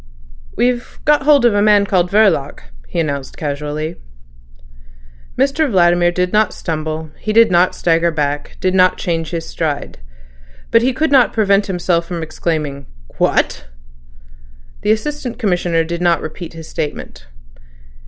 "We've got hold of a man called Verloc," he announced casually. Mr Vladimir did not stumble, did not stagger back, did not change his stride. But he could not prevent himself from exclaiming: "What?" The Assistant Commissioner did not repeat his statement.